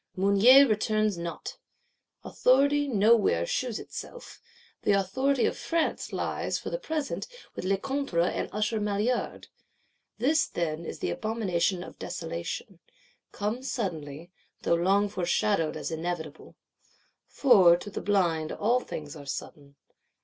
Mounier returns not; Authority nowhere shews itself: the Authority of France lies, for the present, with Lecointre and Usher Maillard.—This then is the abomination of desolation; come suddenly, though long foreshadowed as inevitable! For, to the blind, all things are sudden.